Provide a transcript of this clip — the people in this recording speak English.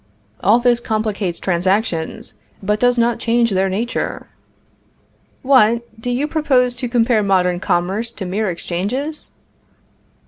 All this complicates transactions, but does not change their nature. What! Do you propose to compare modern commerce to mere exchanges?